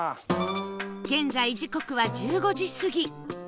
現在時刻は１５時過ぎ